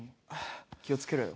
気を付けろよ。